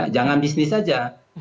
jangan bisnis saja